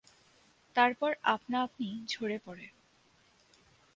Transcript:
তারপর আপনা আপনি ঝরে পড়ে।